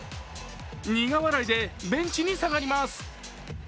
苦笑いでベンチに下がります。